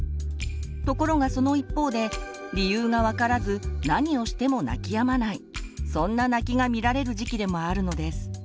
ところがその一方で理由が分からず何をしても泣きやまないそんな泣きが見られる時期でもあるのです。